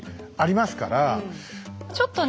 ちょっとね